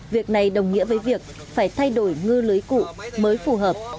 việc này đồng nghĩa với việc phải thay đổi ngư lưới cụ mới phù hợp